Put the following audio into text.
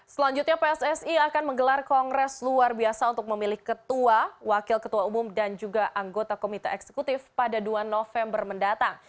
selanjutnya pssi akan menggelar kongres luar biasa untuk memilih ketua wakil ketua umum dan juga anggota komite eksekutif pada dua november mendatang